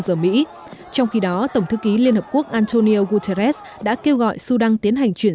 giờ mỹ trong khi đó tổng thư ký liên hợp quốc antonio guterres đã kêu gọi sudan tiến hành chuyển